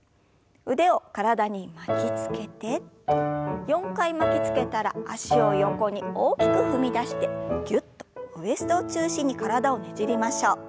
腕を体に巻きつけて４回巻きつけたら脚を横に大きく踏み出してぎゅっとウエストを中心に体をねじりましょう。